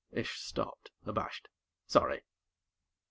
Ish stopped, abashed. "Sorry."